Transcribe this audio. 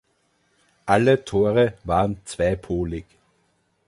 Alle Tore waren zweipolig.